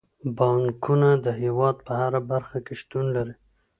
بانکونه د هیواد په هره برخه کې شتون لري.